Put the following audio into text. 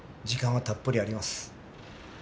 時間はたっぷりあります。